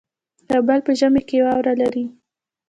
کابل په ژمي کې واوره لري